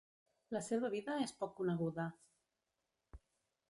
La seva vida és poc coneguda.